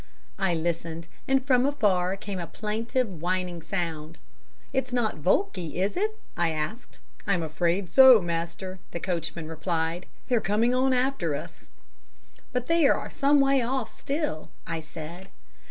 I listened, and from afar came a plaintive, whining sound. 'It's not Volki, is it?' I asked. 'I'm afraid so, master,' the coachman replied, 'they're coming on after us.' "'But they are some way off still!' I said.